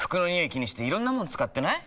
気にしていろんなもの使ってない？